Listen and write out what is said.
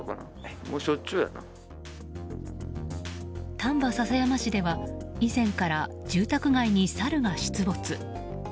丹波篠山市では以前から住宅街にサルが出没。